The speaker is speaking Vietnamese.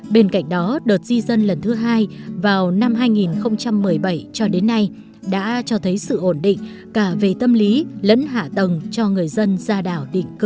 bên cạnh đó đợt di dân lần thứ hai vào năm hai nghìn một mươi bảy cho đến nay đã cho thấy sự ổn định cả về tâm lý lẫn hạ tầng cho người dân ra đảo định cư